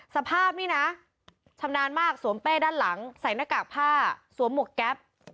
สภาพนี่นะชำนาญมากสวมเป้ด้านหลังใส่หน้ากากผ้าสวมหมวกแก๊ป